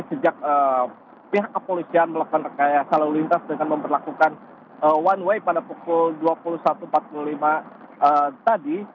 sejak pihak kepolisian melakukan rekayasa lalu lintas dengan memperlakukan one way pada pukul dua puluh satu empat puluh lima tadi